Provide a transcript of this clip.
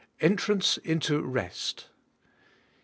ENTRANCE INTO REST. IV.